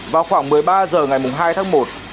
vào khoảng một mươi ba h ngày hai tháng một